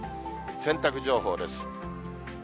洗濯情報です。